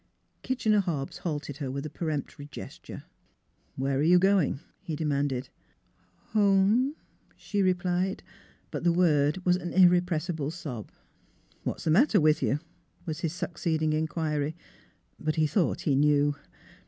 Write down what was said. Kitchener Hobbs halted her with a peremptory gesture. ' Where are you going?" he demanded. ' 'Ome," she replied; but the word was an irrepressible sob. 336 NEIGHBORS ;' What is the matter with you? " was his suc ceeding inquiry. But he thought he knew.